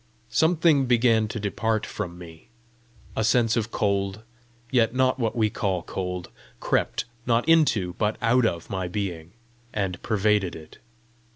Something began to depart from me. A sense of cold, yet not what we call cold, crept, not into, but out of my being, and pervaded it.